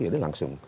ya dia langsung